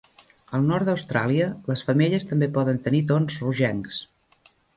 Al nord d'Austràlia, les femelles també poden tenir tons rogencs.